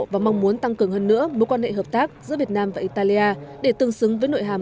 và mong muốn tăng cường hơn nữa mối quan hệ hợp tác giữa việt nam và italia để tương xứng với nội hàm